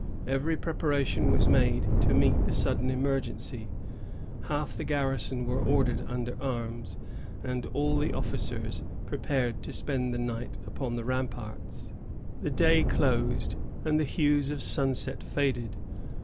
Every preparation was made to meet the sudden emergency. Half the garrison were ordered under arms, and all the officers prepared to spend the night upon the ramparts. The day closed, and the hues of sunset faded.